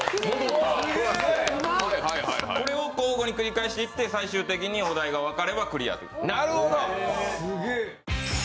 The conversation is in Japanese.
これを交互に繰り返していって、最終的にお題が分かれば、クリアということになります。